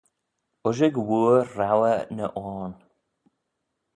Ushag wooar rouyr ny oarn.